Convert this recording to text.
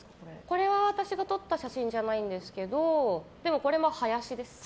これは私が撮った写真じゃないですけどでも、これも林です。